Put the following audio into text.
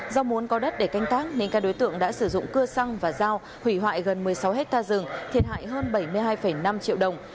do muốn có đất để canh tác nên các đối tượng đã sử dụng cưa xăng và dao hủy hoại gần một mươi sáu hectare rừng thiệt hại hơn bảy mươi hai năm triệu đồng